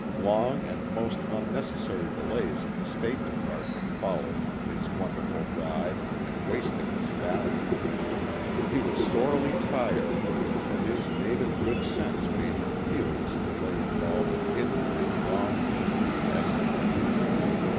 Long and most unnecessary delays at the State Department followed his wonderful ride and wasted its value. He was sorely tried, for his native good sense made him feel this delay involved a hidden and wrong meaning, as it proved.